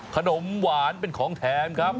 ขนมหวานเป็นของแถมครับ